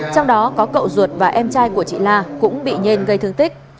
trong đó có cậu ruột và em trai của chị la cũng bị nhên gây thương tích